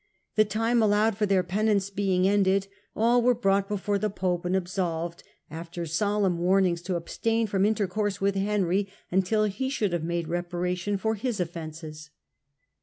The time allowed for their penance being ended, all were brought before the pope and absolved, after solemn warnings to abstain from intercourse with Henry until he should have made reparation for his oflfences.